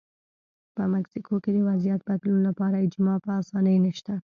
په مکسیکو کې د وضعیت بدلون لپاره اجماع په اسانۍ نشته.